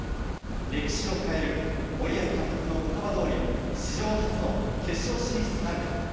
歴史を変える、森保監督のことばどおり、史上初の決勝進出なるか。